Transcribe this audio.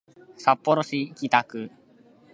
札幌市北区